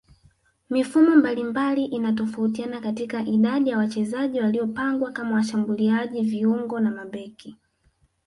Mifumo mbalimbali inatofautiana katika idadi ya wachezaji waliopangwa kama washambuliaji viungo na mabeki